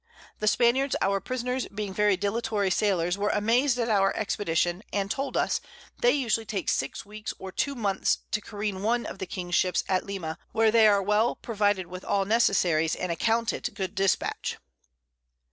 The Spaniards our Prisoners being very dilatory Sailors, were amazed at our Expedition, and told us, they usually take 6 Weeks or 2 Months to careen one of the King's Ships at Lima, where they are well provided with all Necessaries, and account it good Dispatch.